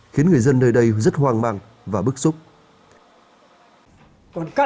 khiến người dân nơi đây rất hoang mang và bức xúc